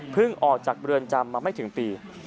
พึ่งออกจากเบือนจำไม่ถึงปี